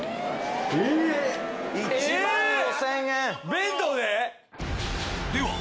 弁当で？